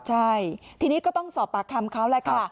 ใช่ทีนี้ก็ต้องสอบปากคำเขาแหละค่ะ